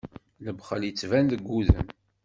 Lebxel ittban deg udem.